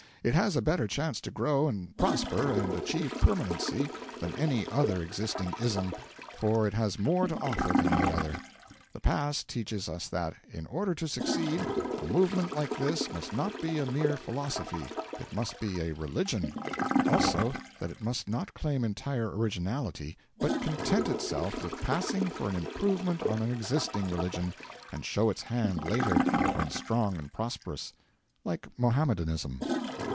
It has a better chance to grow and prosper and achieve permanency than any other existing 'ism;' for it has more to offer than any other. The past teaches us that, in order to succeed, a movement like this must not be a mere philosophy, it must be a religion; also, that it must not claim entire originality, but content itself with passing for an improvement on an existing religion, and show its hand later, when strong and prosperous like Mohammedanism.